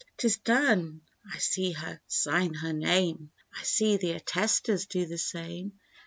'Tis done! I see her sign her name, I see the attestors do the same.